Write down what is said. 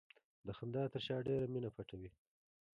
د خندا تر شا ډېره مینه پټه وي.